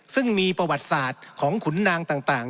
ซึ่งมีประวัติศาสตร์ของขุนนางต่าง